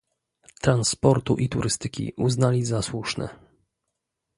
Transportu i Turystyki uznali za słuszne